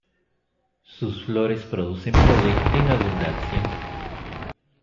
Sus flores producen polen en abundancia.